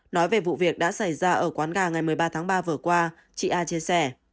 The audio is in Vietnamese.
nói về vụ việc đã xảy ra ở quán gà ngày một mươi ba tháng ba vừa qua chị a chia sẻ